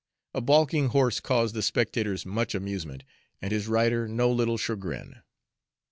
A balking horse caused the spectators much amusement and his rider no little chagrin.